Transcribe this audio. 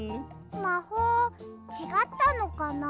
まほうちがったのかな？